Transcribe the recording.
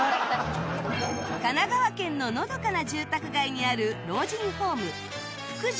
神奈川県ののどかな住宅街にある老人ホーム福寿